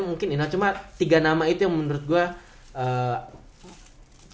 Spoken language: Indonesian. mungkin ya cuma tiga nama itu yang menurut gue